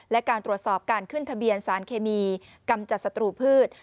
และการตรวจสอบการขึ้นทะเบียนสารเคมีกำจัดศัตรูพืช